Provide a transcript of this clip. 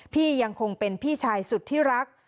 พี่ยังคงเป็นพี่ชายสุดที่รัก